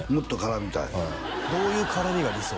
はいどういう絡みが理想？